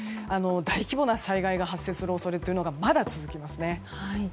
大規模な災害が発生する恐れがまだ続きますね。